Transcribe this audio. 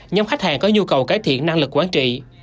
nhóm khách hàng có nhu cầu cải thiện năng lực quản trị